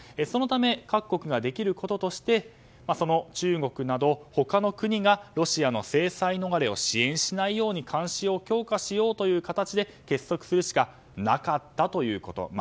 そのため各国ができることとして中国など他の国がロシアの制裁逃れを支援しないように監視を強化しようという形で結束するしかなかったということ。